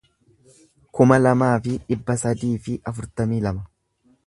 kuma lamaa fi dhibba sadii fi afurtamii lama